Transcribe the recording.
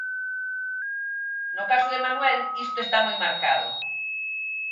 No caso de Manuel isto está moi marcado.